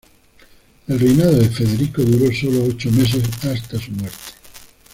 El reinado de Federico duró solo ocho meses hasta su muerte.